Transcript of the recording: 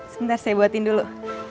sebentar saya buatin dulu